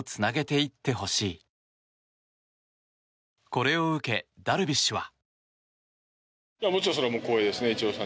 これを受けダルビッシュは。